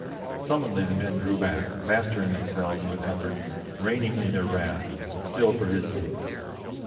Sullenly the men drew back, mastering themselves with effort, reining in their wrath, still for his sake.